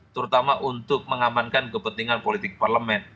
terutama untuk mengamankan kepentingan politik parlemen